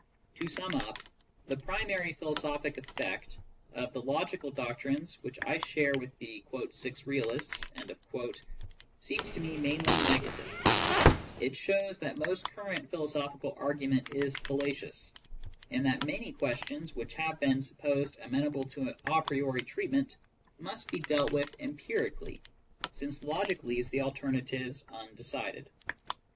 To sum up: The primary philosophic effect of the logical doc trines which I share with the ''six realists" seems to me mainly neg ative: it shows that most current philosophical argument is fal lacious, and that many questions which have been supposed amen able to a priori treatment must be dealt with empirically, since logic leaves the alternatives undecided.